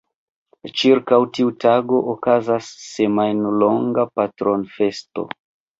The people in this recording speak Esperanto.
Ĉirkaŭ tiu tago okazas semajnlonga patronfesto.